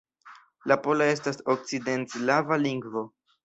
La pola estas okcidentslava lingvo.